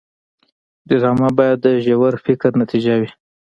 ډرامه باید د ژور فکر نتیجه وي